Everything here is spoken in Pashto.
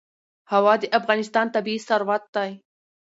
هوا د افغانستان طبعي ثروت دی.